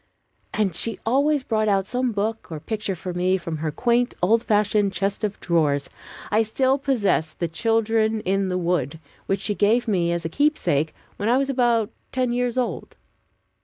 And she always brought out some book or picture for me from her quaint old fashioned chest of drawers. I still possess the "Children in the Wood," which she gave me, as a keepsake, when I was about ten years old.